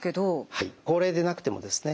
高齢でなくてもですね